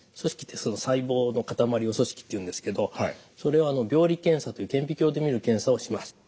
細胞の塊を組織っていうんですけどそれを病理検査という顕微鏡で見る検査をします。